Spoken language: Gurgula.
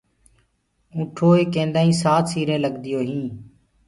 اونٺوئي ڪيندآئين سآت سيرين لگديون هين